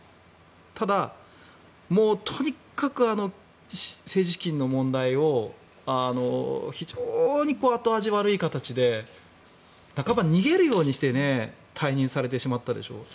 ただ、とにかく政治資金の問題を非常に後味悪い形で半ば逃げるようにして退任されてしまったでしょう。